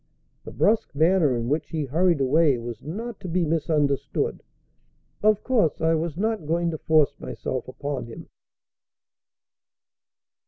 The brusque manner in which he hurried away was not to be misunderstood. Of course I was not going to force myself upon him.